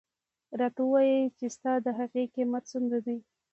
راته ووایه چې ستا د هغې قیمت څومره دی.